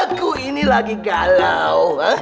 aku ini lagi galau